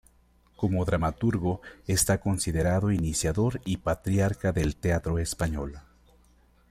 Como dramaturgo está considerado iniciador y patriarca del teatro español.